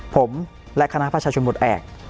ผมและคณะประชาชนหมดแอก